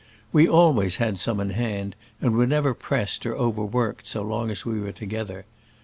We always had some in hand, and were never pressed or overworked so long as we were together.